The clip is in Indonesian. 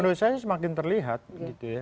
menurut saya semakin terlihat gitu ya